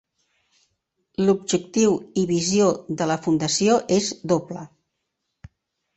L'objectiu i visió de la Fundació és doble.